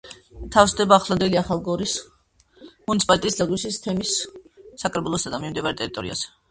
თავსდება ახლანდელი ახალგორის მუნიციპალიტეტის ლარგვისის თემის საკრებულოსა და მიმდებარე ტერიტორიაზე.